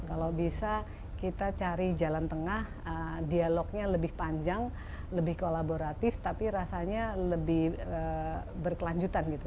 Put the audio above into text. kalau bisa kita cari jalan tengah dialognya lebih panjang lebih kolaboratif tapi rasanya lebih berkelanjutan gitu